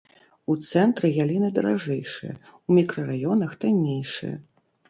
У цэнтры яліны даражэйшыя, у мікрараёнах таннейшыя.